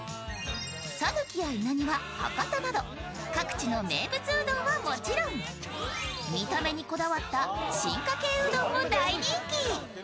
さぬきや稲庭、博多など各地の名物うどんはもちろん見た目にこだわった進化系うどんも大人気。